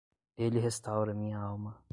Ele restaura minha alma.